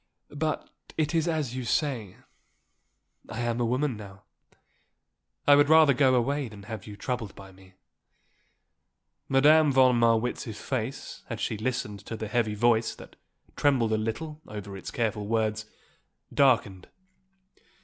But it is as you say, I am a woman now. I would rather go away than have you troubled by me." Madame von Marwitz's face, as she listened to the heavy voice, that trembled a little over its careful words, darkened.